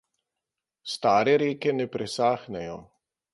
Stare reke ne presahnejo.